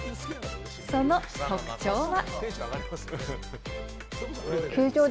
その特徴は。